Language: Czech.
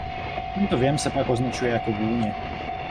Tento vjem se pak označuje jako vůně.